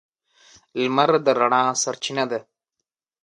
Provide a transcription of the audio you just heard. • لمر د رڼا سرچینه ده.